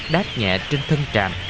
đát nhẹ trên thân trạm